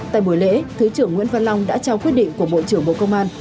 tại buổi lễ thứ trưởng nguyễn văn long đã trao quyết định của bộ trưởng bộ công an